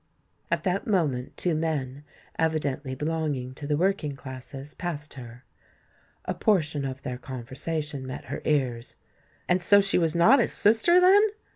At that moment two men, evidently belonging to the working classes, passed her. A portion of their conversation met her ears. "And so she was not his sister, then?"